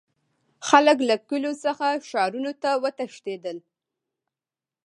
خلک له کلیو څخه ښارونو ته وتښتیدل.